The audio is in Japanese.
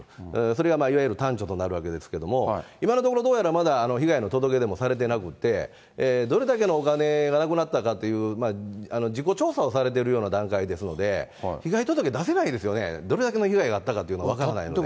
それがいわゆる端緒となるわけですけれども、今のところ、どうやらまだ被害の届け出もされてなくて、どれだけのお金がなくなったかという事後調査をされてるような段階ですので、被害届出せないですよね、どれだけの被害があったかというのが分からないので。